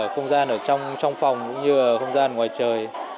không gian ở trong phòng cũng như là không gian ngoài trời